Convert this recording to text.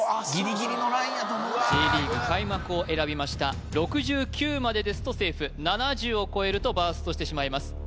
・ギリギリのラインやと思うわ「Ｊリーグ」開幕を選びました６９までですとセーフ７０を超えるとバーストしてしまいます